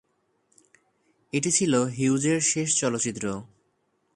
এটি ছিল হিউজের শেষ চলচ্চিত্র।